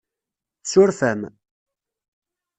Tsuref-am?